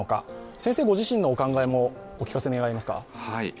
先生ご自身のお考えもお聞かせ願えますか？